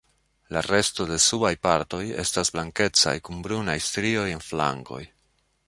La resto de subaj partoj estas blankecaj kun brunaj strioj en flankoj.